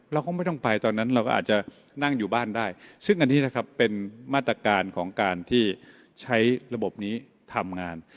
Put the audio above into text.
เราก็ไม่ต้องไปตอนนั้นเราก็อาจจะนั่งอยู่บ้านได้ซึ่งอันนี้นะครับเป็นมาตรการของการที่ใช้ระบบนี้ทำงาน